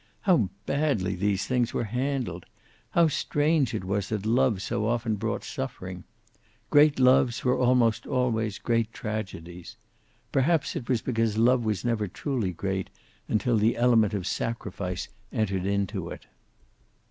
How badly these things were handled! How strange it was that love so often brought suffering! Great loves were almost always great tragedies. Perhaps it was because love was never truly great until the element of sacrifice entered into it.